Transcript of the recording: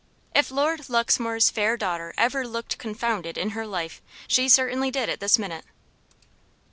If Lord Luxmore's fair daughter ever looked confounded in her life she certainly did at this minute.